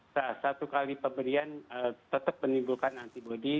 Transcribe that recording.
nah satu kali pemberian tetap menimbulkan antibody